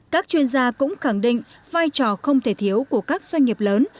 các chuyên gia cũng khẳng định vai trò không thể thiếu của các doanh nghiệp lớn